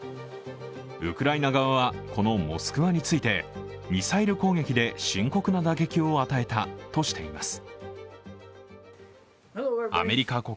ウクライナ側はこの「モスクワ」についてミサイル攻撃で深刻な打撃を与えたとしています。